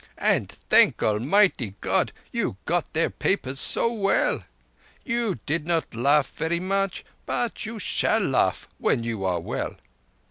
And thank Almighty God you got their papers so well! You do not laugh verree much, but you shall laugh when you are well.